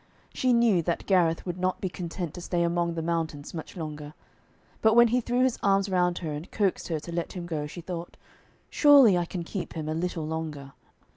She knew that Gareth would not be content to stay among the mountains much longer. But when he threw his arms round her, and coaxed her to let him go, she thought, 'Surely I can keep him a little longer.'